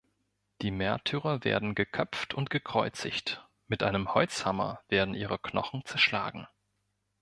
Die Märtyrer werden geköpft und gekreuzigt, mit einem Holzhammer werden ihre Knochen zerschlagen.